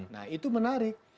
nah itu menarik